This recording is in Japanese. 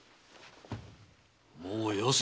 もうよせ。